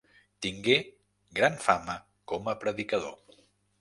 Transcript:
Tingué gran fama com a predicador.